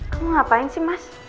kamu ngapain sih mas